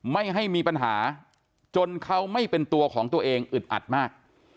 ไม่ให้มีปัญหาจนเขาไม่เป็นตัวของตัวเองอึดอัดมาก